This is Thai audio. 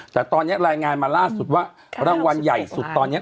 แต่ตอนนี้รายงานมาล่าสุดว่ารางวัลใหญ่สุดตอนนี้